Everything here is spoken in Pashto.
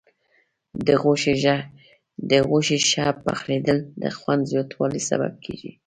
د غوښې ښه پخېدل د خوند زیاتوالي سبب کېږي.